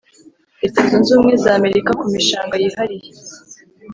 leta zunze ubumwe za amerika ku mishanga yihariye